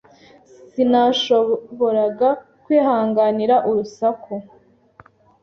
Sinashoboraga kwihanganira urusaku.